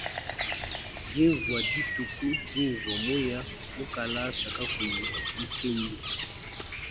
Divwa dituku dinvwa muya mukalasa kakuyi mukenyi.